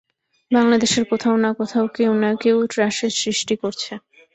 বাংলাদেশের কোথাও না কোথাও কেউ না কেউ ত্রাসের সৃষ্টি করছে।